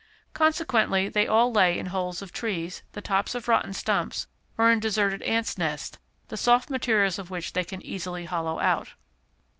Consequently, they all lay in holes of trees, the tops of rotten stumps, or in deserted ants' nests, the soft materials of which they can easily hollow out.